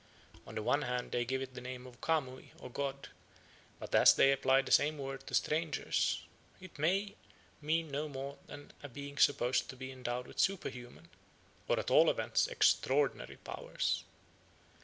On the one hand they give it the name of kamui or "god"; but as they apply the same word to strangers, it may mean no more than a being supposed to be endowed with superhuman, or at all events extraordinary, powers.